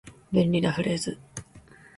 便利なフレーズ